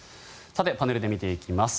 さて、パネルで見ていきます。